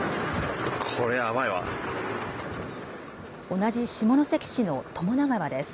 同じ下関市の友田川です。